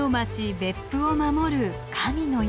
別府を守る神の山。